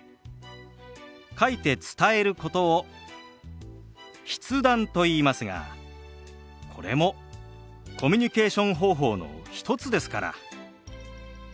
書いて伝えることを「筆談」といいますがこれもコミュニケーション方法の一つですから。